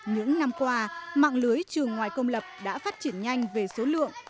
những năm qua mạng lưới trường ngoài công lập đã phát triển nhanh về số lượng